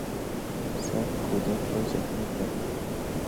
سگ کودک را زخمی کرد.